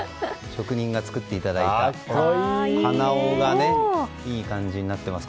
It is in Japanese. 職人が作っていただいた鼻緒が、いい感じになってます。